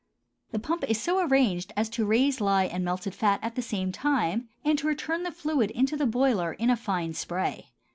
The pump is so arranged as to raise lye and melted fat at the same time and to return the fluid into the boiler in a fine spray.